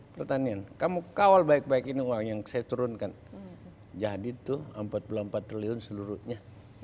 pertanian kamu kawal baik baik ini uang yang saya turunkan jadi tuh empat puluh empat triliun seluruhnya